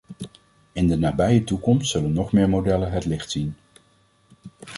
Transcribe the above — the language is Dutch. In de nabije toekomst zullen nog meer modellen het licht zien.